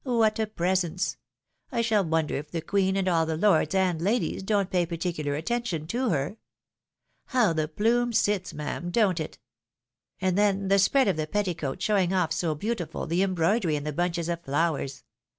What a presence ! I shall wonder if the Queen, and all the lords and ladies, don't pay particular attention to her. Plow the plume sits, ma'am, don't it? And then the spread of the petti coat, showing off so beautiful the embroidery and the bunches of flowers